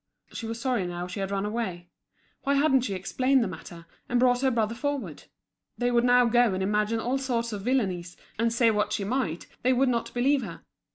She was sorry now she had run away. Why hadn't she explained the matter, and brought her brother forward? They would now go and imagine all sorts of villainies, and say what she might, they would not believe her.